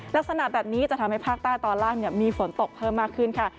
ลักษณะแบบนี้จะทำให้ภาคใต้ตอนล่างมีฝนตกเพิ่มมากขึ้นค่ะ